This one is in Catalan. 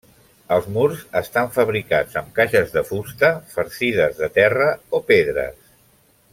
Els murs estan fabricats amb caixes de fusta farcides de terra o pedres.